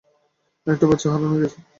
একটা বাচ্চা হারানো গিয়েছে।